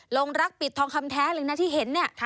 ลงรักปิดทองคำแท้เลยนะที่เห็นเนี่ย